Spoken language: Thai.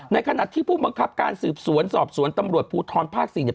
ขณะที่ผู้บังคับการสืบสวนสอบสวนตำรวจภูทรภาค๔เนี่ย